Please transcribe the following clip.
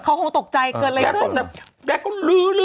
เขาก็ตกใจเกิดอะไรขึ้น